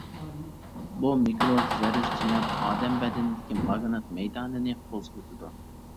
بۇ مىكرو زەررىچىلەر ئادەم بەدىنىدىكى ماگنىت مەيدانىنى قوزغىتىدۇ.